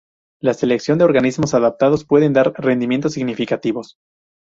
La selección de organismos adaptados pueden dar rendimientos significativos.